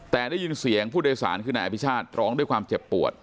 แต่ได้ยินเสียงผู้โดยสารคือนายอภิชาติร้องด้วยความเจ็บปวด